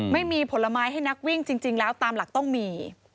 ไม่มีผลไม้ให้นักวิ่งจริงแล้วตามหลักต้องมี